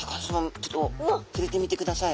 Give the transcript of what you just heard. ちょっとふれてみてください。